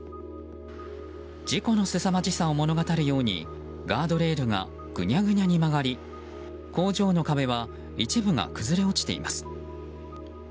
事故のすさまじさを物語るようにガードレールがグニャグニャに曲がり工場の壁は一部が崩れ落ちています。